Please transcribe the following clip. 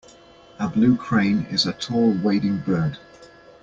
A blue crane is a tall wading bird.